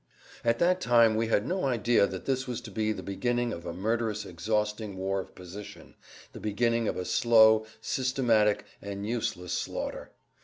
At that time we had no idea that this was to be the beginning of a murderous exhausting war of position, the beginning of a slow, systematic, and useless slaughter.